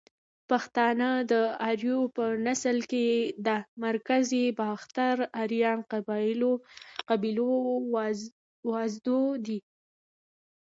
پښتانه ده اریاو په نسل کښی ده مرکزی باختر آرین قبیلو زواد دی